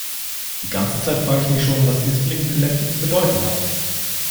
Die ganze Zeit frage ich mich schon, was dieses blinkende Lämpchen zu bedeuten hat.